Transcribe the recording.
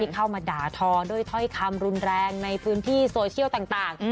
เข้ามาด่าทอด้วยถ้อยคำรุนแรงในพื้นที่โซเชียลต่าง